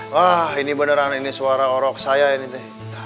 wah ini beneran suara orok saya ini